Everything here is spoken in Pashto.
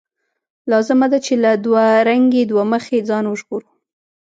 لازمه ده چې له دوه رنګۍ، دوه مخۍ ځان وژغورو.